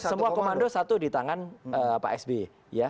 semua komando satu di tangan pak sby